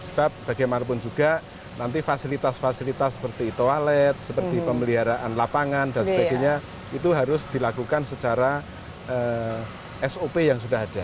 sebab bagaimanapun juga nanti fasilitas fasilitas seperti toilet seperti pemeliharaan lapangan dan sebagainya itu harus dilakukan secara sop yang sudah ada